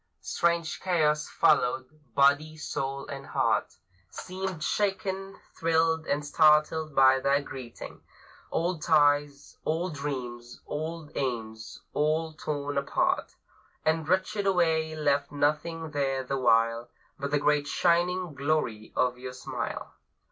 Strange chaos followed; body, soul, and heart Seemed shaken, thrilled, and startled by that greeting. Old ties, old dreams, old aims, all torn apart And wrenched away, left nothing there the while But the great shining glory of your smile.